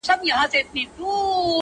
د دې خمارو ماښامونو نه به وځغلمه!